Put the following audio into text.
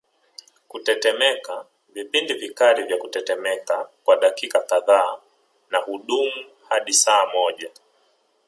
Kutetemeka vipindi vikali vya kutetemeka kwa dakika kadhaa na hudumu hadi saa moja